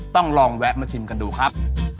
ต้องลองแวะมาชิมกันดูครับ